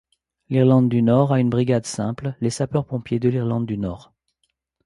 L'Irlande du Nord a une brigade simple, les sapeurs-pompiers de l'Irlande du Nord.